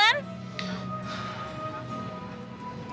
iya kan glenn